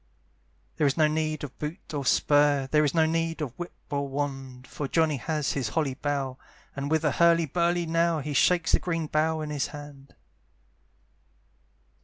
There is no need of boot or spur, There is no need of whip or wand, For Johnny has his holly bough, And with a hurly burly now He shakes the green bough in his hand.